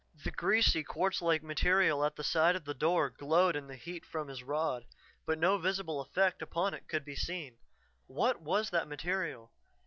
The greasy, quartz like material at the side of the door glowed in the heat from his rod, but no visible effect upon it could be seen. What was that material?